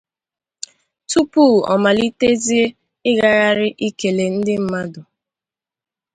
tupuu ọ malitezie igagharị ikele ndị mmadụ.